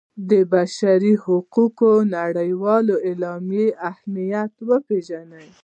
د بشر د حقونو نړیوالې اعلامیې اهمیت وپيژني.